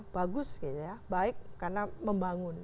bagus baik karena membangun